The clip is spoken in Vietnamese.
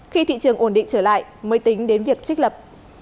khi thị trường ổn định trở lại mới tính đến việc trích lập